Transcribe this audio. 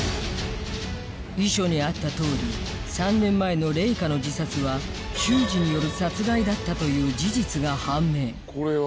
遺書にあった通り３年前の玲香の自殺は秀司による殺害だったという事実が判明